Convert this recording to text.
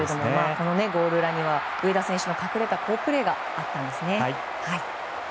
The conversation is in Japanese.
このゴールラインは上田選手の隠れた好プレーがあったんですね。